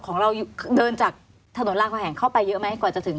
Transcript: ของเราเดินจากถนนรามกะแหงเข้าไปเยอะไหมกว่าจะถึง